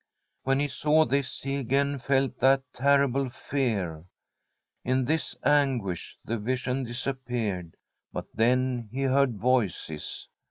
When he saw this he again felt that terrible fear. In this anguish the vision disappeared, but then he heard voices.